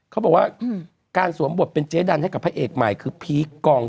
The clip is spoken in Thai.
เขาบอกว่าการสวมบทเป็นเจ๊ดันให้กับพระเอกใหม่คือพีคกอง